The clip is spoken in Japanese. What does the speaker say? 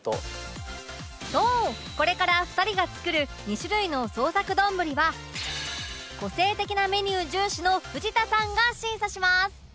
そうこれから２人が作る２種類の創作丼は個性的なメニュー重視の藤田さんが審査します